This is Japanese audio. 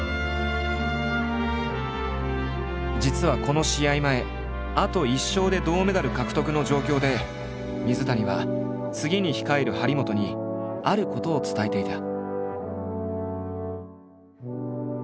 実はこの試合前あと１勝で銅メダル獲得の状況で水谷は次に控える張本にあることを伝えていた。